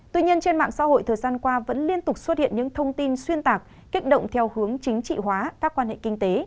tuy nhiên trên mạng xã hội thời gian qua vẫn liên tục xuất hiện những thông tin xuyên tạc kích động theo hướng chính trị hóa các quan hệ kinh tế